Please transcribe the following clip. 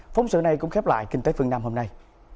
phóng sự này cũng khép lại kinh tế phương nam hôm nay